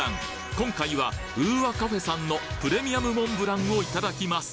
今回はＵ−Ａｃａｆｅさんのプレミアムモンブランをいただきます